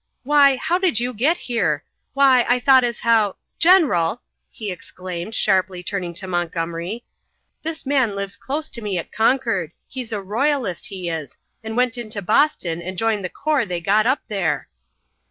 Why, how did you get here? Why, I thought as how General," he exclaimed, sharply turning to Montgomery, "this man lives close to me at Concord. He's a royalist, he is, and went into Boston and joined the corps they got up there!"